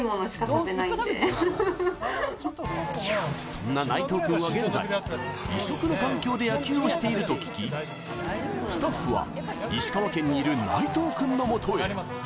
そんな内藤君は現在、異色の環境で野球をしていると聞き、スタッフは石川県にいる内藤君のもとへ。